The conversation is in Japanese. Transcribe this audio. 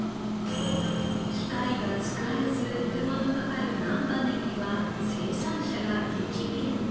機械が使えず手間のかかる難波ネギは生産者が激減。